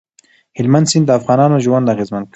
هلمند سیند د افغانانو ژوند اغېزمن کوي.